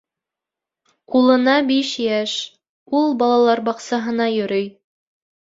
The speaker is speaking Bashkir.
Улына биш йәш. Ул балалар баҡсаһына йөрөй.